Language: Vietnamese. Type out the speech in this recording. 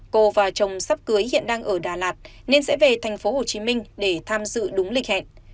cô và chồng sắp cưới hiện đang ở đà lạt nên sẽ về tp hcm để tham dự đúng lịch hẹn